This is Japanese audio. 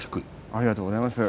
ありがとうございます。